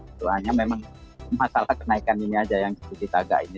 itu hanya memang masalah kenaikan ini saja yang sedikit agak ini